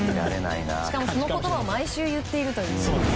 しかも、その言葉を毎週言っているという。